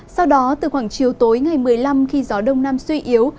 sau đó từ khoảng chiều tối ngày một mươi năm khi gió đông nam suy yếu